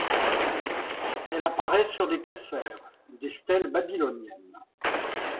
Elle apparaît sur des tessères, des stèles babyloniennes.